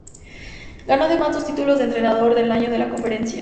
Ganó además dos títulos de Entrenador del Año de la conferencia.